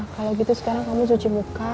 kalo gitu sekarang kamu cuci muka